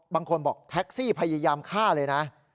บางคนบอกแท็กซี่พยายามฆ่าเลยนะ